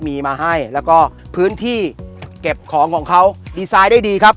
มีมาให้แล้วก็พื้นที่เก็บของของเขาดีไซน์ได้ดีครับ